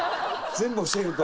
全部教えると。